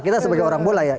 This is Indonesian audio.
kita sebagai orang bola ya